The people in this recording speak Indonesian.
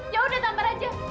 ya udah tampar aja